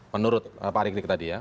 menurut pak rikrik tadi ya